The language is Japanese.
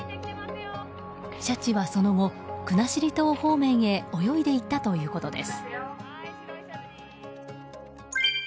シャチはその後、国後島方面へ泳いでいったということです。